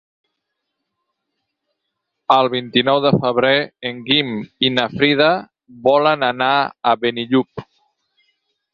El vint-i-nou de febrer en Guim i na Frida volen anar a Benillup.